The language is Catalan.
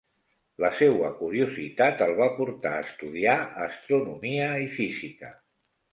La seua curiositat el va portar a estudiar astronomia i física.